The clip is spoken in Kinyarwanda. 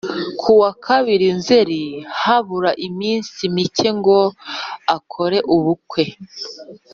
kuwa kabiri nzeri habura iminsi mike ngo akore ubukwe